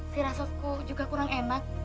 tirasaku juga kurang enak